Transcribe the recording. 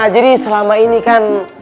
jadi selama ini kan